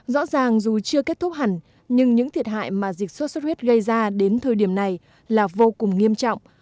rõ ràng dù chưa kết thúc hẳn nhưng những thiệt hại mà dịch sốt xuất huyết gây ra đến thời điểm này là vô cùng nghiêm trọng